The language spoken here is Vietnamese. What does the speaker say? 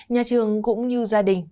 nhà trường cũng như gia đình